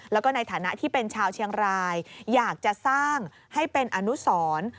แล้วก็ในฐานะที่เป็นชาวเชียงรายอยากจะสร้างให้เป็นอนุสร